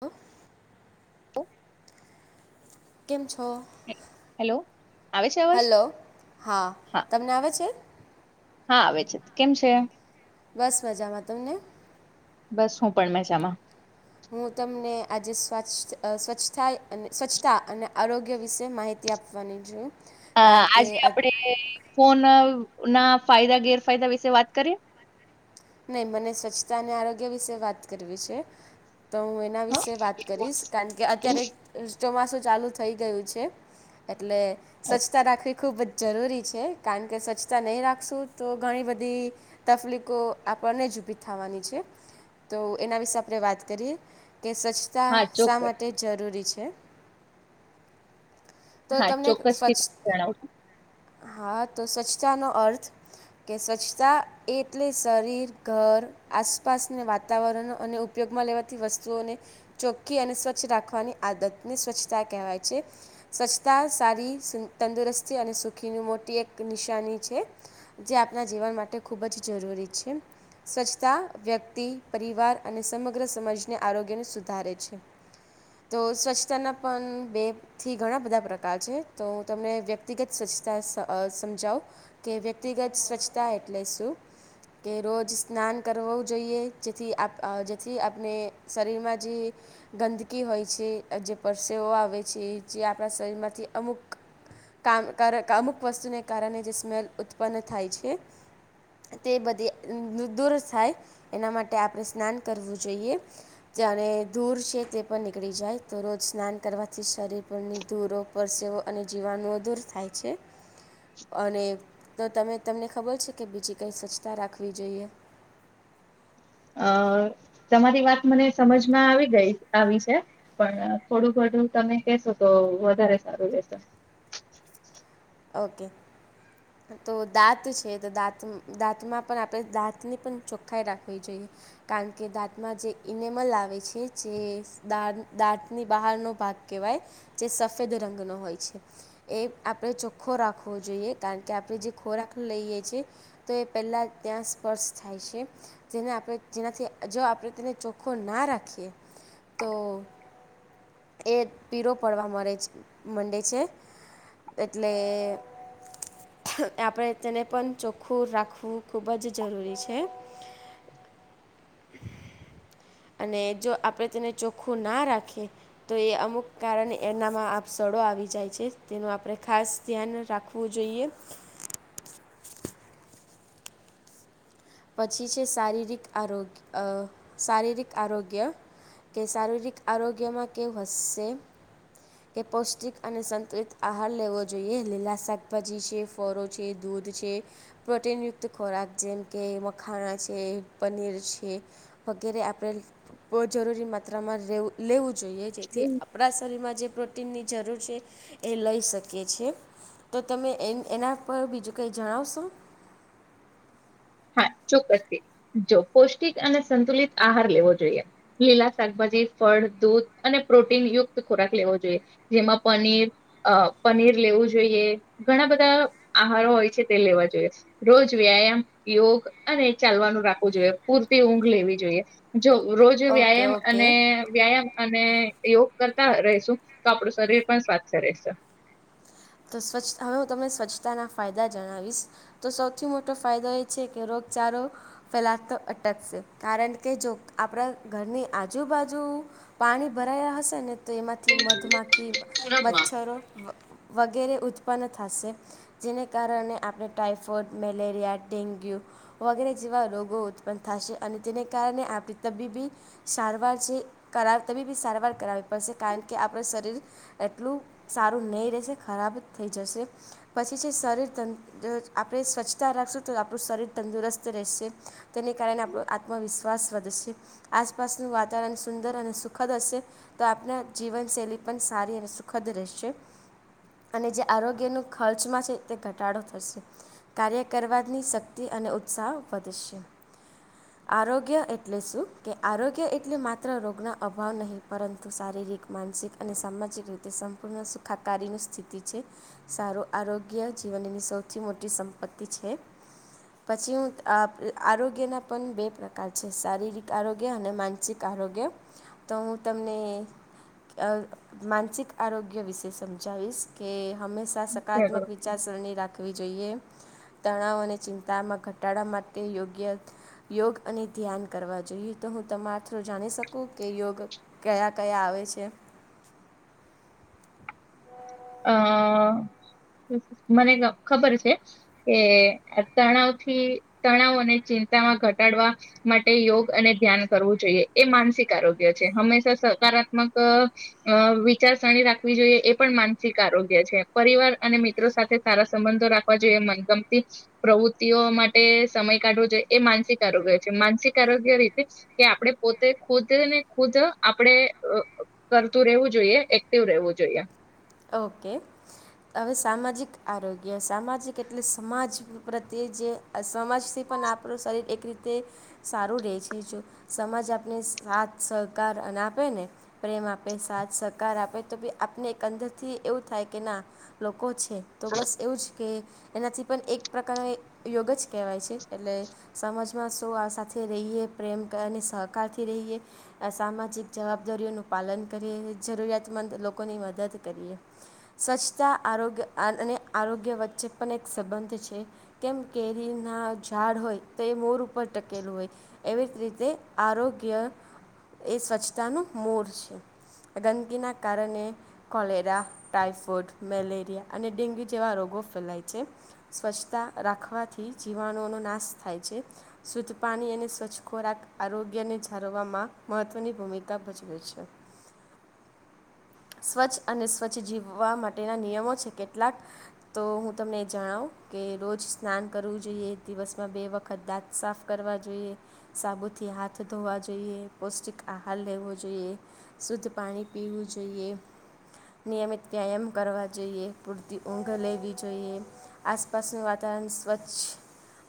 Hello ત [unintelligible] કેમ છો? આવે છે અવાજ હેલો હા તમને આવે છે? હા આવે છે કેમ છે? બસ મજામાં, તમને? બસ હું પણ મેજામાં. હું તમને આજે સ્વચ્છ સ્વચ્છતા અને સ્વચ્છતા અને આરોગ્ય વિશે માહિતી આપવાની જોઈું. અ આજે આપડે ફોન ના ફાયદા ગેરફાયદા વિશે વાત કરીએ. નહી મને સ્વચ્છતા અને આરોગ્ય વિશે વાત કરવી છે. તો હું એના વિશે વાત કરીશ કારણ કે, અત્યારે ચોમાસું ચાલુ થઈ ગયું છે. એટલે હા સ્વચ્છતા રાખવી ખૂબ જ જરૂરી છે કારણ કે સ્વચ્છતા નહીં રાખશું તો ઘણી બધી તફલીકો આપણને જ ઊભી થવાની છે, તો એના વિશે આપણે વાત કરીએ. કે સ્વચ્છતા હા શા ચોક્કસ માટે જરૂરી છે. તો હા, તમને ચોક્કસથી સ્વચ્છ જણાવ છો. હા, તો સ્વચ્છતા નો અર્થ કે સ્વચ્છતા એટલે શરીર ઘર આસપાસને વાતાવરણ અને ઉપયોગમાં લેવાતી વસ્તુઓને ચોખ્ખી અને સ્વચ્છ રાખવાની આદતને સ્વચ્છતા કહેવાય છે. સ્વચ્છતા સારી તંદુરસ્તી અને સુખીની મોટી એક નિશાની છે, જે આપણા જીવન માટે ખૂબ જ જરૂરી છે, સ્વચ્છતા વ્યક્તિ પરિવાર અને સમગ્ર સમાજને આરોગ્યને સુધારે છે, તો સ્વચ્છતાના પણ બે થી ઘણા બધા પ્રકાર છે, તો હું તમને વ્યક્તિગત સ્વચ્છતા સમજાવું કે વ્યક્તિગત સ્વચ્છતા એટલે શું કે રોજ સ્નાન કરવું જોઈએ, જેથી જેથી આપણે શરીરમાં જે ગંદકી હોય છે, જે પરસેવો આવે છે. જે આપણા શરીરમાંથી અમુક કામ કામુક વસ્તુને કારણે જે સ્મેલ ઉત્પન્ન થાય છે, તે બધી દૂર થાય એના માટે આપણે સ્નાન કરવું જોઈએ, જે અને ધૂર છે તે પણ નીકળી જાય તો રોજ સ્નાન કરવાથી શરીર આપણની ધૂરો પરસેવો અને જીવાણુઓ દૂર થાય છે. અને તો તમે તમને ખબર છે, કે બીજી કંઈ સ્વચ્છતા રાખવી જોઈએ. અ તમારી વાત મને સમજમાં આવી ગઈ આવી છે, પણ થોડું ઘધું તમે કેશો તો વધારે સારું રશે. ઓકે તો દાંત છે, તો દાંત દાંતમાં પણ આપણે દાંતની પણ ચોખ્ખાઈ રાખવી જોઈએ, કારણ કે દાંતમાં જે ઈનેમલ આવે છે જેા દાંતની બહારનો ભાગ કહેવાય જે સફેદ રંગનો હોય છે, એ આપણે ચોખ્ખો રાખવો જોઈએ કારણ કે આપણે જે ખોરાક લઈએ છીએ, તો એ પહેલાં ત્યાં સ્પર્શ થાય છે, જેને આપણે જેનાથી જો આપણે તેને ચોખ્ખો ના રાખીએ તો એ પીરો પડવા મળે માંંડે છે, ને એટલે આપણે તેને પણ ચોખ્ખું રાખવું ખૂબ જ જરૂરી છે. [unintelligible] અને જો આપણે તેને ચોખ્ખું ના રાખીએ તો એ અમુક કારણે એનામાં આપ સળો આવી જાય છે, તેનું આપણે ખાસ ધ્યાન રાખવું જોઈએ. પછી છે શારીરિક આરોગ્ય શારીરિક આરોગ્ય કે શારીરિક આરોગ્યમાં કેવ હશે, કે પૌષ્ટિક અને સંતુલિત આહાર લેવો જોઈએ લીલા શાકભાજી છે ફળો છે, દૂધ છે પ્રોટીનયુક્ત ખોરાક જેમ. કે મખાણા છે પનીર છે, વગેરે આપણે જરૂરી માત્રામાં લેવું લેવું જોઈ જેથી આપણા શરીરમાં જે નની જરૂર છે, એ લઈ શકીએી તો તમે એના પર બીજું કંઈ જણાવશો? ચોક્થી જો પૌષ્ટિક અને સંતુલિત આહાર લેવો જોઈએ લીલા શાકભાજી ફળ દૂધ અને પ્રોટીન યુક્ત ખોરાક લેવો જોઈએ, જેમાં પનીર પનીર લેવું જોઈએ ઘણા બધા આહારો હોય છે, તે લેવા જોઈએ રોજ વ્યાયામ યોગ અને ચાલવાનું રાખવું જોઈએ, પૂરતી ઊંઘ લેવી જોઈએ. જો રોજ ઓકે વ્યાયામ અને ઓકે વ્યાયામ અને યોગ કરતા રહીશું તો આપણું શરીર પણ સ્વાસ્થ્ય રહેશે. તો સ્વચ્છ હવે હું તમને સ્વચ્છતાના ફાયદા જણાવીશ તો સૌથી મોટો ફાયદો એ છે કે રોગચારો ફેલાતો અટકશે કારણ કે જો આપણા ઘરની આજુબાજુ પાણી ભરાયા હશે ને તો એમાંથી મધમાખી કે સુરતમાં મચ્છરો વગેરે ઉત્પન્ન થશે જેને કારણે આપણે ટાાઈફોઇડ મેલેરિયા ડેન્ગ્યુ વગેરે જેવા રોગો ઉત્પન્ન થશે અને તેને કારણે આપણી તબીબી સારવાર છે કરાવ તબીબી સારવાર કરાવવી પડશે કારણ કે આપણું શરીર એટલું સારું નહીં રહેશે. ખરાબ થઈ જશે પછી જે શરીર ત આપણે સ્વચ્છતા રાખશું તો આપણું શરીર તંદુરસ્ત રહેશે તેને કારણે આપણો આત્મવિશ્વાસ વધશે આસપાસનું વાતાવરણ સુંદર અને સુખદ હશે તો આપણા જીવનશૈલી પણ સારી અને સુખદ રહેશે. અને જે આરોગ્યનો ખર્ચમાં છે તે ઘટાડો થશે કાર્ય કરવાની શક્તિ અને ઉત્સાહ વધશે આરોગ્ય એટલે શું કે આરોગ્ય એટલે માત્ર રોગના અભાવ નહીં પરંતુ શારીરિક માનસિક અને સામાજિક રીતે સંપૂર્ણ સુખાકારીનું. સ્થિતિ છે સારું આરોગ્ય જીવનની સૌથી મોટી સંપત્તિ છે પછી હું આરોગ્યના પણ બે પ્રકાર છે શારીરિક આરોગ્ય અને માનસિક આરોગ્ય તો હું તમને માનસિક આરોગ્ય વિશે સમજાવીશ. કે હંમેશા સકારાત્મક જરૂરથી વિચારસરણી રાખ. રાખવી જોઈએ તણાવ અને ચિંતામાં ઘટાડા માટે યોગ્ય યોગ અને ધ્યાન કરવા જોઈએ તો હું તમારા થ્રું જાણી શકું કે યોગ કયા કયા આવે છે. અ મને ખબર છે કે તણાવથી તણાવ અને ચિંતામાં ઘટાડવા માટે યોગ અને ધ્યાન કરવું જોઈએ એ માનસિક આરોગ્ય છે હંમેશા સકારાત્મક વિચારસરણી રાખવી જોઈએ એ પણ માન આરોગ્ય છે પરિવાર અને મિત્રો સાથે સારા સંબંધો રાખવા જોઈએ મનગમતી પ્રવૃત્તિઓ માટે સમય કાઢવો જોઈએ એ માનસિક આરોગ્ય છે માનસિક આરોગ્ય રીતે કે આપણે પોતે ખુદ ને ખુદ આપણેે કરતું રહેવું જોઈએ એક્ટિવ રહેવું જોઈએ. ઓકે હવે સામાજિક આરોગ્ય સામાજિક એટલે સમાજ પ્રત્યે જે. સમાજથી પણ આપણું શરીર એક રીતે તે સારું રહે છે જો સમાજ આપને સાથ સહકાર અને આપે ને પ્રેમ આપે સાથ સહકાર આપે તો બી આપને એક અંદર. થી એવું થાય કે ના લોકો છે. છે તો બસ એવું જ કે એનાથી પણ એક પ્રકારનો યોગ જ કહેવાય છે એટલે સમાજમાં શું આ સાથે રહીએ પ્રેમ અને સહકારથી રહીએ સામાજિક જવાબદારીઓનું પાલન કરીએ જરૂરિયાતમંદ લોકોની મદદ સ્વચ્છતા આરોગ્ય અને આરોગ્ય વચ્ચે પણ એક સંબંધ છે કેમ કેરીના ઝાડ હોય તો એ મોર ઉપર ટકેલું હોય એવી જ રીતે આરોગ્ય એ સ્વચ્છતાનું મોર છે ગંદકીના કારણે કોલેરા ટાઈફોઇડ મેલેરિયા અને ડેન્ગ્યુ જેવા રોગો ફેલાય છે સ્વચ્છતા રાખવાથી જીવાણુનો નાશ થાય છે શુદ્ધ પાણી અને સ્વચ્છ ખોરાક આરોગ્યને જાળવવામાં મહત્વની ભૂમિકા ભજવે છે સ્વચ્છ અને સ્વચ્છ જીવવા માટેના નિયમો છે કેટલાક તો હું તમને એ જણાવ કે રોજ સ્નાન કરવું જોઈએ દિવસમાં બે વખત દાંત સાફ કરવા જોઈએ સાબુથી હાથ ધોવા જોઈએ પૌષ્ટિક આહાર લેવો જોઈએ શુદ્ધ પાણી પીવું જોઈએ. નિયમિત વ્યાયામ કરવા જોઈએ પૂરતી ઊંઘ લેવી જોઈએ આસપાસનું વાતાવરણ સ્વચ્છ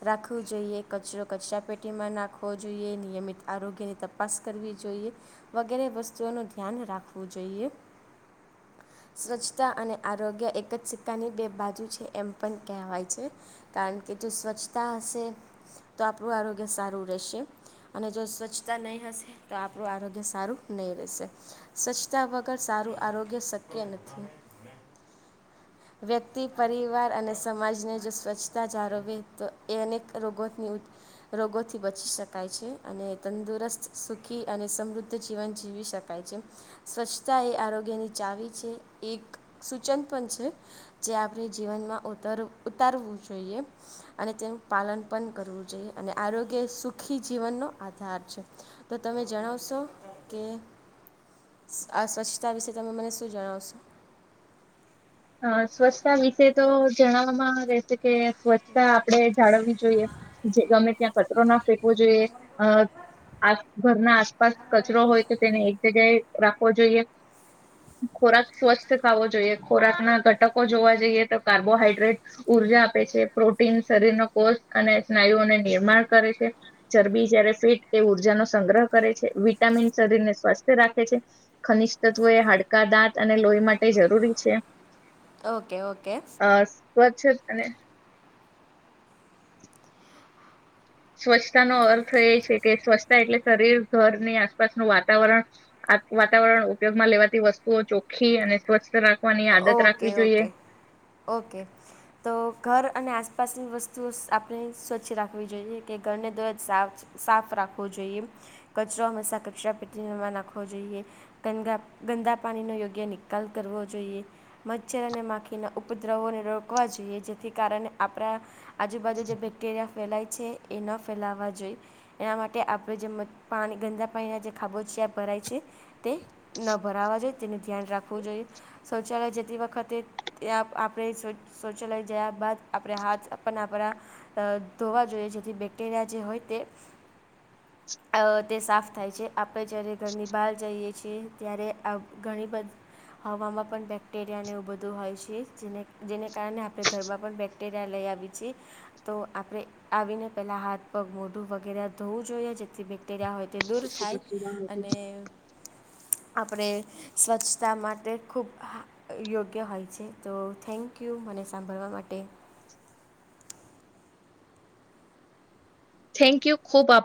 રાખવું જોઈએ કચરો કચરા પેટીમાં નાખવો જોઈએ નિયમિત આરોગ્યની તપાસ કરવી જોઈએ વગેરે વસ્તુઓનું ધ્યાન રાખવું જોઈએ. સ્વચ્છતા અને આરોગ્ય એક જ સિક્કાની બે બાજુ છે એમ પણ કહેવાય છે કારણ કે જો સ્વચ્છતા હશે તો આપણું આરોગ્ય સારું રહેશે અને જો સ્વચ્છતા નહીં હશે તો આપણું આરોગ્ય સારું નહી રહેશે સ્વચ્છતા વગર સારું આરોગ્ય શક્ય નથી વ્યક્તિ પરિવાર અને સમાજને જો સ્વચ્છતા જાળવે તો એ અનેક રોગોની રોગોથી બચી શકાય છે અને તંદુરસ્ત સુખી અને સમૃદ્ધ જીવન જીવી શકાય છે સ્વચ્છતા એ આરોગ ની ચાવી છે એક સૂચન પણ છે જે આપણે જીવનમાં ઉતર ઉતારવું જોઈએ અને તેનું પાલન પણ કરવું જોઈએ અને આરોગ્ય સુખી જીવનનો આધાર છે તો તમે જણાવશો કે સ્વચ્છતા વિશે. તમે મને શું જણાવશો. અ સ્વચ્છતા વિશે તો જણવામાં રહેશે કે સ્વચ્છતા આપણેે જાળવવી જોઈએ જે ગમે ત્યાં કચરો ના ફેંકવો જોઈએ અ આ ઘરના આસપાસ કચરો હોય તો તેને એક જગ્યાએ રાખવો જોઈએ ખોરાક સ્વચ્છ ખાવો જોઈએ. ખોરાકના ઘટકો જોવા જઈએ તો કાર્બોહાઈડ્રેટ ઉર્જા આપે છે પ્રોટીન શરીરનો કોષ અને સ્નાયુઓને નિર્માણ કરે છે ચરબી જયારે ફેટ એ ઉર્જાનો સંગ્રહ કરે છે વિટામિન શરીરને સ્વસ્થ રાખે છે ખનિજ તત્વો એ હાડકા દાંત અને લોહી માટે જરૂરી છે. Okay okay. અ સ્વચ્છ અને સ્વચ્છતા નો અર્થ એ છે કે સ્વચ્છતા એટલે શરીર ઘરની આસપાસનું વાતાવરણ વાતાવરણ ઉપયોગમાં લેવાતી વસ્તુઓ ચોખ્ખી અને સ્વચ્થ રાખવાની આ ઓકે ઓકે ઓકે તો ઘર અને આસ આસપાસની વસ્તુઓ આપણે સ્વચ્છ રાખવી જોઈએ કે ઘરને દોરજ સાફ રાખવો જોઈએ કચરો હંમેશા કચરા પેટીમાં નાખવો જોઈએ ગંદા ગંદા પાણીનો યોગ્ય નિકાલ કરવો જોઈએ. મચ્છર અને માખીના ઉપદ્રવોને રોકવા જોઈએ જેથી કારણે આપણા આજુબજુ જે બેક્ટેરિયા ફેલાય એ ન ફેલાવા જોઈએ એના માટે આપણે જે પાણી ગંદા પાણીના જે ખાબો છે ભરાય છે તે ન ભરાવા જોઈએ તેનું ધ્યાન રાખવું જોઈએ શૌચાલય તી વખતે ત્યાં આપણે શૌચાલય જયા બાદ આપણે હાથ પણ આપણા ધોવા જોઈએ જેથી બેક્ટેરિયા જે હોય તે તે સાફ થાય છે આપણે જયારે ઘરની બહાર જઈએ છીએ ત્યારે ઘણી બધી હવામાં પણ બેકટે બેક્ટેરિયાને એવું બધું હોય છે જેને જેને કારણે આપણે ઘરમાં પણ બેક્ટેરિયા લઈ આવી છએ તો આપણે આવીને પહેલાં હાથ પગ મોઢું વગેરે ધોવું જોઈએ જેલી બેક્ટેરિયા હોય. તે દૂર થાય અને આપણે સ્વચ્છતા માટે ખૂબ. યોગ્ય હોય છે તો થેન્ક યુ મને સાંભળવા માટે. થેન્ક યુ ખુબ આભાર.